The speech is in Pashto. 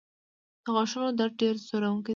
د غاښونو درد ډېر ځورونکی وي.